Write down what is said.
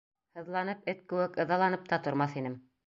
Һыҙланып, эт кеүек ыҙаланып та тормаҫ инем.